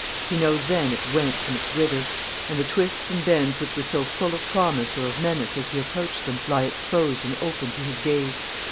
He knows then its whence and its whither, and the twists and bends which were so full of promise or of menace as he approached them lie exposed and open to his gaze.